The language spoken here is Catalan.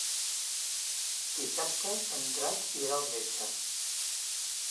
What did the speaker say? Dissabte en Drac irà al metge.